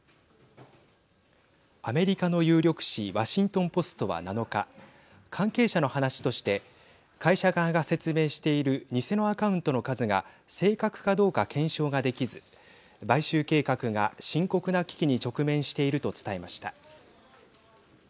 アメリカの有力紙ワシントン・ポストは７日関係者の話として会社側が説明している偽のアカウントの数が正確かどうか検証ができず買収計画が深刻な危機に直面していると伝えました。